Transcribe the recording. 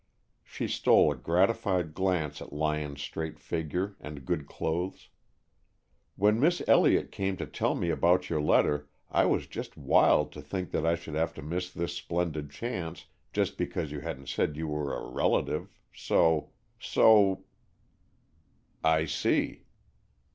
She stole a gratified glance at Lyon's straight figure and good clothes. "When Miss Elliott came to tell me about your letter, I was just wild to think that I should have to miss this splendid chance, just because you hadn't said you were a relative, so so " "I see."